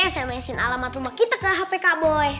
aku sms in alamat rumah kita ke hp kak boy